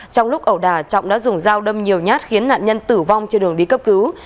trong lúc ẩu đà trọng đã dùng dao đâm nhiều nhát khiến nạn nhân tử vong trên đường đi cấp cứu